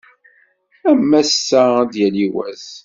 Am ass-a ad d-yali wass.